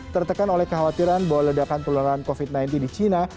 tertekan oleh kekhawatiran bahwa ledakan penularan covid sembilan belas di cina